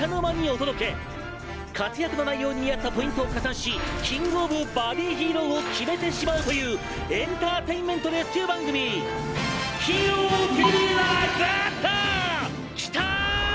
活躍の内容に見合ったポイントを加算し『キング・オブ・バディヒーロー』を決めてしまおうというエンターテインメントレスキュー番組『ＨＥＲＯＴＶ』ラだぁっと！！来たああああ！！